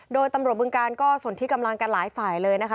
โดยตำรวจบึงการก็ส่วนที่กำลังกันหลายฝ่ายเลยนะคะ